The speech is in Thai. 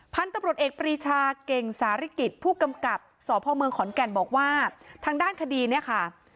พันธุ์ตำรวจเอกปรีชาเก่งสาริกิจผู้กำกับสพเมืองขอนแก่นบอกว่าทางด้านคดีเนี่ยค่ะ